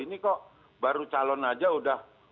ini kok baru calon aja udah